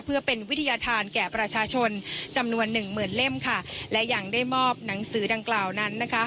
เพื่อเป็นวิทยาธารแก่ประชาชนจำนวนหนึ่งหมื่นเล่มค่ะและยังได้มอบหนังสือดังกล่าวนั้นนะคะ